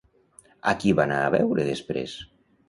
A qui va anar a veure després?